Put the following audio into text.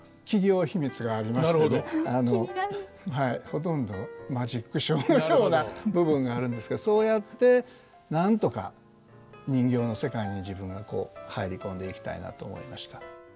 ほとんどマジックショーのような部分があるんですけどそうやってなんとか人形の世界に自分がこう入り込んでいきたいなと思いました。